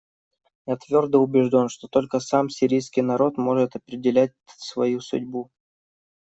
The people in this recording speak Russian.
Я твердо убежден, что только сам сирийский народ может определять свою судьбу.